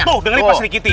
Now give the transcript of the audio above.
tuh dengerin pas dikiti